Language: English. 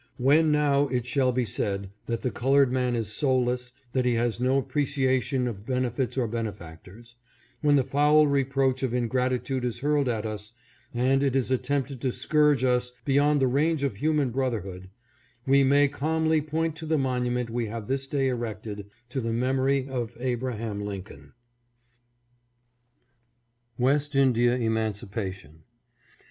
When now it shall be said that the colored man is soulless, that he has no appreciation of benefits or benefactors ; when the foul reproach of ingratitude is hurled at us, and it is attempted to scourge us beyond the range of human brotherhood, we may calmly point to the monument we have this day erected to the memory of Abraham Lincoln. Abraham Lincoln. SPEECH AT ELMIRA. 601 WEST INDIA EMANCIPATION.